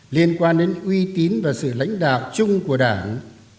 liên quan đến uy tín và sự lãnh đạo chung của đảng